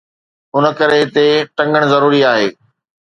ان ڪري هتي ٽنگڻ ضروري آهي